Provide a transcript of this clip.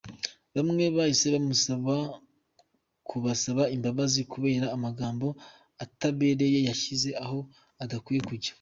Bamwe bahise bamusaba kubasaba imbabazi kubera amagambo atabereye yashyize aho adakwiye kujya.